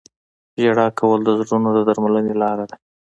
• ژړا کول د زړونو د درملنې لاره ده.